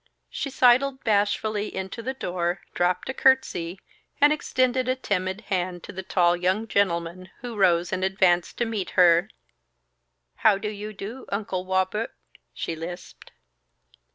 She sidled bashfully into the door, dropped a courtesy, and extended a timid hand to the tall young gentleman who rose and advanced to meet her. "How do you do, Uncle Wobert?" she lisped.